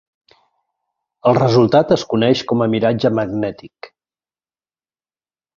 El resultat es coneix com a miratge magnètic.